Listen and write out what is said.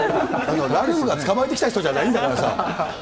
ラルフが捕まえてきた人じゃないんだから。